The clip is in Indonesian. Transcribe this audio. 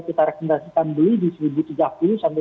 kita rekomendasikan beli di seribu tiga puluh sampai seribu enam puluh